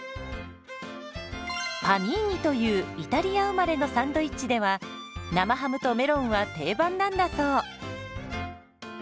「パニーニ」というイタリア生まれのサンドイッチでは生ハムとメロンは定番なんだそう。